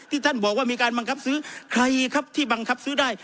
ท่านบอกว่ามีการบังคับซื้อใครครับที่บังคับซื้อได้